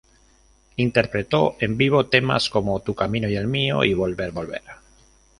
Interpretó en vivo temas como "Tu camino y el mío" y "Volver, volver".